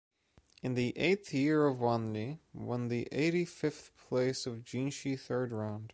In the eighth year of Wanli, win the eighty fifth place at Jinshi third round.